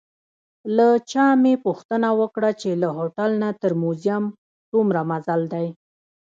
له چا مې پوښتنه وکړه چې له هوټل نه تر موزیم څومره مزل دی؟